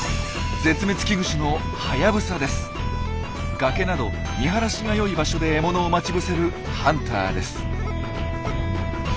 崖など見晴らしがよい場所で獲物を待ち伏せるハンターです。